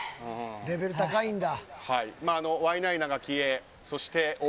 レベル高いんだ。